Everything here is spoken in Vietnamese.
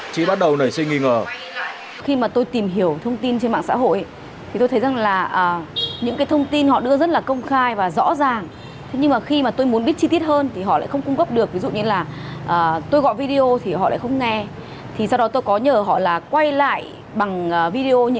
chị bắt đầu nảy sinh nghi ngờ